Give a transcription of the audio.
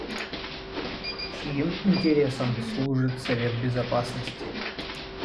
Чьим интересам служит Совет Безопасности?